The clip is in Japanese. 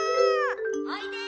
・おいで！